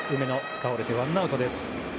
倒れてワンアウトです。